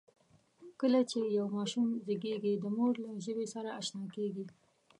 کله چې یو ماشوم زېږي، د مور له ژبې سره آشنا کېږي.